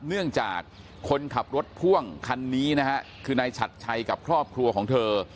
เนื่องจากคนขับรถพ่วงคันนี้นะฮะคือนายฉัดชัยกับครอบครัวของเธอ